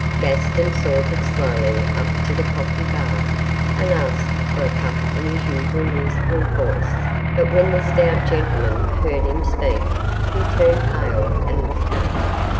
Gaston sauntered slowly up to the coffee bar, and asked for a cup in his usual musical voice, but when the stout gentleman heard him speak he turned pale and looked up.